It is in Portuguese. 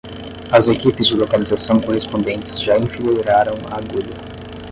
As equipes de localização correspondentes já enfileiraram a agulha.